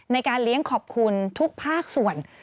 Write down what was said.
ในการเลี้ยงขอบคุณทุกภาคส่วน